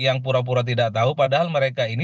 yang pura pura tidak tahu padahal mereka ini